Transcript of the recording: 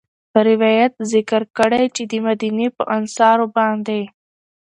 روايت ذکر کړی چې د مديني په انصارو باندي